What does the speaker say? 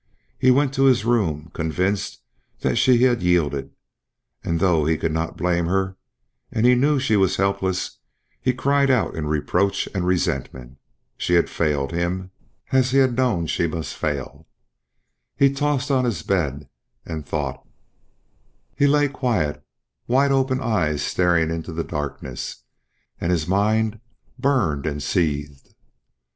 He went to his room, convinced that she had yielded; and though he could not blame her, and he knew she was helpless, he cried out in reproach and resentment. She had failed him, as he had known she must fail. He tossed on his bed and thought; he lay quiet, wide open eyes staring into the darkness, and his mind burned and seethed.